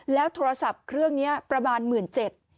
แล้วโทรศัพท์เครื่องนี้ประมาณหมื่นเจ็ด